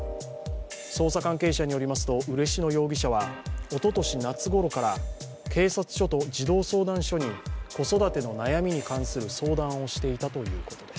捜査関係者によりますと、嬉野容疑者はおととし夏ごろから警察署と児童相談所に子育ての悩みに関する相談をしていたということです。